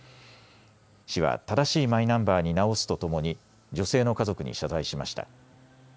市は正しいマイナンバーに直すとともに女性の家族に謝罪しました。